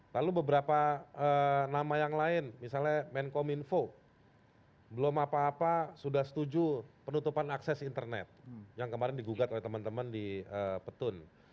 lalu beberapa nama yang lain misalnya menkominfo belum apa apa sudah setuju penutupan akses internet yang kemarin digugat oleh teman teman di petun